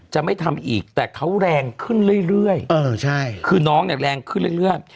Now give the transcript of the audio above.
จะไม่ทำอีกแต่เขาแรงขึ้นเรื่อยเรื่อยเออใช่คือน้องเนี้ยแรงขึ้นเรื่อยเรื่อย